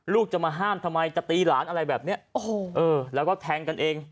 ลูกจะมาห้ามทำไมจะตีหลานอะไรแบบเนี้ยโอ้โหเออแล้วก็แทงกันเอง